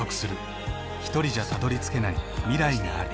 ひとりじゃたどりつけない未来がある。